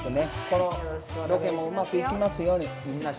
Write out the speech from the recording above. このロケもうまくいきますように。